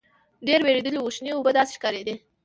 ډېر وېردلي وو شنې اوبه داسې ښکارېدې.